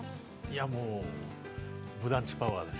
もう「ブランチ」パワーです。